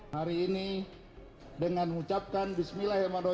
hari ini dengan mengucapkan bismillahirrahmanirrahi